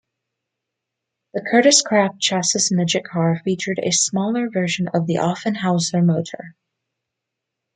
The Kurtis Kraft chassis midget car featured a smaller version of the Offenhauser motor.